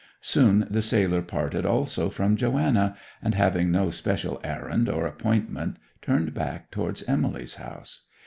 Soon the sailor parted also from Joanna, and, having no especial errand or appointment, turned back towards Emily's house.